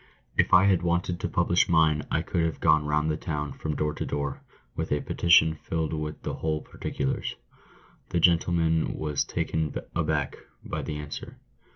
If I had wanted to publish mine, I could have gone round the town, from door to door, with a petition filled with the whole particulars." The gentleman was taken aback by the answer.